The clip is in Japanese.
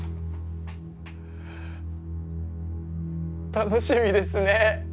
楽しみですね！